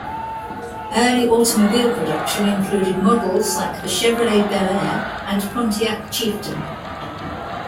Early automobile production included models like the Chevrolet Bel Air and Pontiac Chieftain.